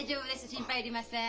心配ありません。